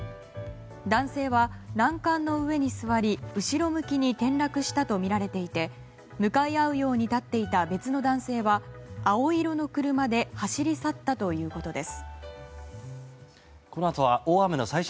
男性は、欄干の上に座り後ろ向きに転落してたとみられていて向かい合うように立っていた別の男性は青色の車で走り去ったということです。